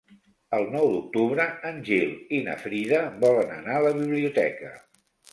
El nou d'octubre en Gil i na Frida volen anar a la biblioteca.